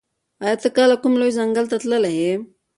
ایا ته کله کوم لوی ځنګل ته تللی یې؟